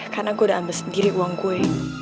karena gue udah ambil sendiri uang gue